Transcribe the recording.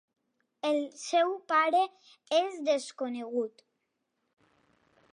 El seu pare és desconegut.